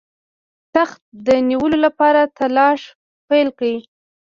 تخت د نیولو لپاره تلاښ پیل کړ.